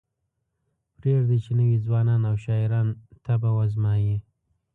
پریږدئ چې نوي ځوانان او شاعران طبع وازمایي.